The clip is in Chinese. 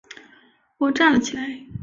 我站了起来